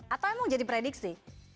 atau emang jadi prediksi